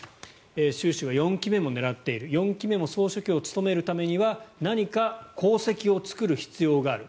習氏は４期目も狙っている４期目も総書記を務めるためには何か功績を作る必要がある。